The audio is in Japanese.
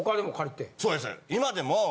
今でも。